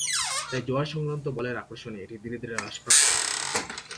তাই জোয়ার-সংক্রান্ত বলের আকর্ষণে এটি ধীরে ধীরে হ্রাসপ্রাপ্ত হচ্ছে।